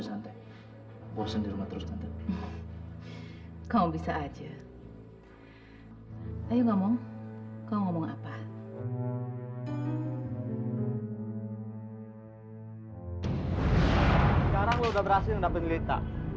sekarang lu udah berhasil mendapatkan lita